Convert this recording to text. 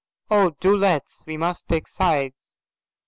"Oh, do let's." "We must pick sides."